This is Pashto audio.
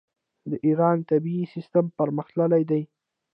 د ایران طبي سیستم پرمختللی دی.